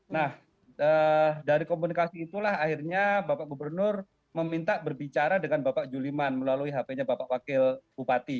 nah dari komunikasi itulah akhirnya bapak gubernur meminta berbicara dengan bapak juliman melalui hp nya bapak wakil bupati